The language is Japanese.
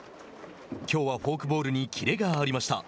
きょうはフォークボールにキレがありました。